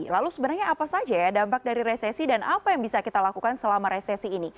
lalu sebenarnya apa saja ya dampak dari resesi dan apa yang bisa kita lakukan selama resesi ini